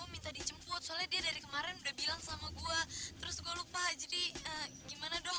minta dijemput soalnya dia dari kemarin udah bilang sama gue terus gue lupa jadi gimana dong